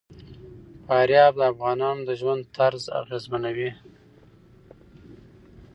فاریاب د افغانانو د ژوند طرز اغېزمنوي.